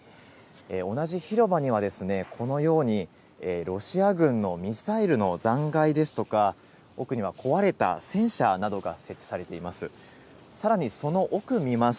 同じ広場には、このように、ロシア軍のミサイルの残骸ですとか、奥には壊れた戦車などが設置されています。